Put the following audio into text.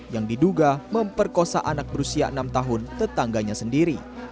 yang diduga memperkosa anak berusia enam tahun tetangganya sendiri